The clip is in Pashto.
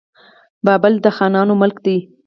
بابل د خانانو ملک دی.